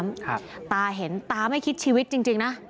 กาแห่งกากหัวตาเห็นตาม่ายคิดชีวิตจริงจริงนะ